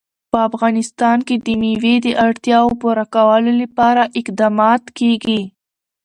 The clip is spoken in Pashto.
په افغانستان کې د مېوې د اړتیاوو پوره کولو لپاره اقدامات کېږي.